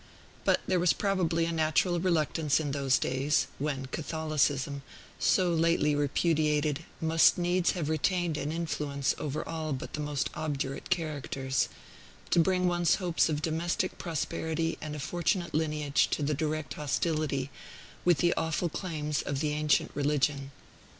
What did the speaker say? But there was probably a natural reluctance in those days (when Catholicism, so lately repudiated, must needs have retained an influence over all but the most obdurate characters) to bring one's hopes of domestic prosperity and a fortunate lineage into direct hostility with the awful claims of the ancient religion.